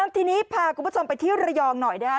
ทีนี้พาคุณผู้ชมไปที่ระยองหน่อยนะครับ